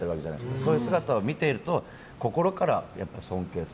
そういう姿を見ていると心から尊敬する。